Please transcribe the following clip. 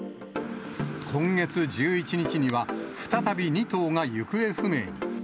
今月１１日には、再び２頭が行方不明に。